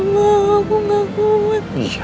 tolong aku ya